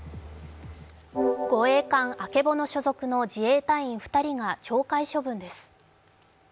護衛艦「あけぼの」所属の自衛官２人が懲戒処分です。